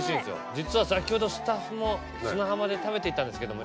実は先ほどスタッフも砂浜で食べていたんですけども。